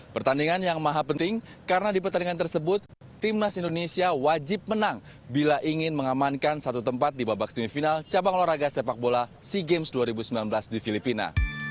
pertandingan yang maha penting karena di pertandingan tersebut timnas indonesia wajib menang bila ingin mengamankan satu tempat di babak semifinal cabang olahraga sepak bola sea games dua ribu sembilan belas di filipina